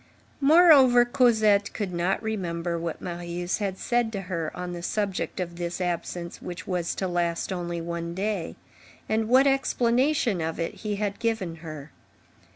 Moreover, Cosette could not remember what Marius had said to her on the subject of this absence which was to last only one day, and what explanation of it he had given her.